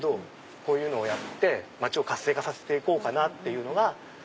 こういうのをやって街を活性化させて行こうっていう。